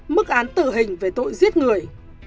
mức án tử hình về tội giết người